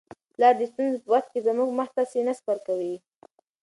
پلار د ستونزو په وخت کي زموږ مخ ته سینه سپر کوي.